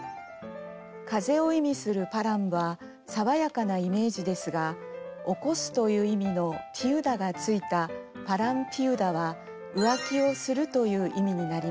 風を意味するパラムは爽やかなイメージですが起こすという意味のピウダが付いたパラムピウダは「浮気をする」という意味になります。